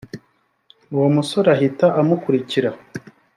uwo musore ahita amukurikira